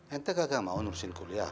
ente kagak mau nurusin kuliah